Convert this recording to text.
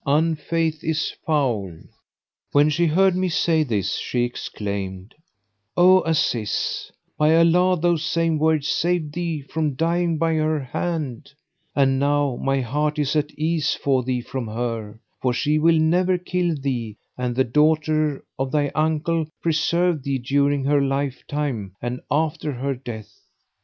Unfaith is foul'" When she heard me say this, she exclaimed, "O Aziz, by Allah those same words saved thee from dying by her hand; and now my heart is at ease for thee from her, for she will never kill thee and the daughter of thy uncle preserved thee during her lifetime and after her death.